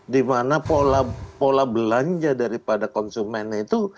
di mana pola belanja daripada konsumen itu